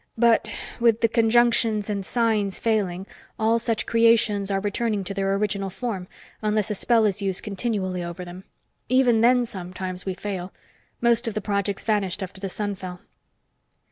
But with the conjunctions and signs failing, all such creations are returning to their original form, unless a spell is used continually over them. Even then, sometimes, we fail. Most of the projects vanished after the sun fell."